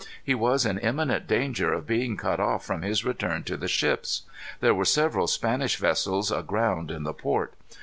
He was in imminent danger of being cut off from his return to the ships. There were several Spanish vessels aground in the port.